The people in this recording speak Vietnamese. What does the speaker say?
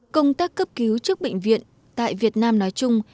công tác cấp cứu trước bệnh viện tại việt nam nói chung